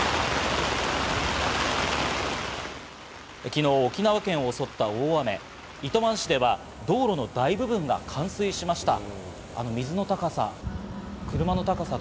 昨日、沖縄県を襲った大雨、糸満市では道路の大部分が冠水しました。